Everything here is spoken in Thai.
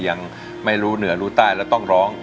ยังไม่รู้เหนือรู้ใต้แล้วต้องร้อง